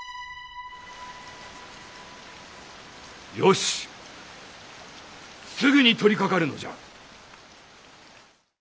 よしすぐに取りかかるのじゃ。